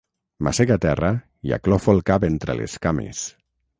M'assec a terra i aclofo el cap entre les cames.